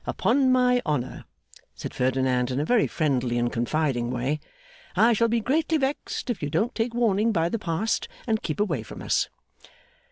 Upon my honour,' said Ferdinand in a very friendly and confiding way, 'I shall be greatly vexed if you don't take warning by the past and keep away from us.